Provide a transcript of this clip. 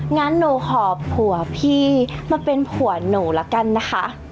งั้นหนูขอผัวพี่มาเป็นผัวหนูละกันนะคะ